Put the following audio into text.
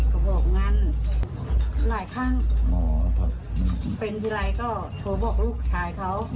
กระบบงานหลายข้างอ๋อเป็นทีไรก็โทรบอกลูกชายเขาอ๋อ